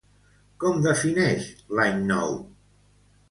Com defineix l'any nou?